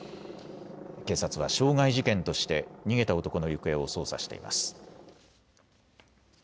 警察は傷害事件として逃げた男の行方を捜査しています。